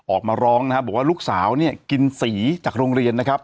ออกมาร้องนะครับบอกว่าลูกสาวเนี่ยกินสีจากโรงเรียนนะครับ